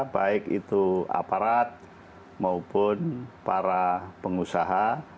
baik itu aparat maupun para pengusaha